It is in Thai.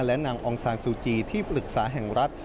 และนางองค์ซาสุจีที่ปลึกศาแห่งรัฐ